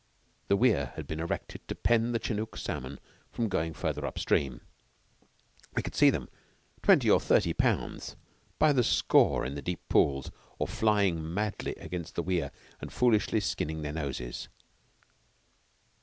The weir had been erected to pen the Chenook salmon from going further up stream. We could see them, twenty or thirty pounds, by the score in the deep pools, or flying madly against the weir and foolishly skinning their noses.